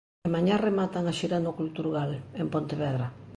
E mañá rematan a xira no Culturgal, en Pontevedra.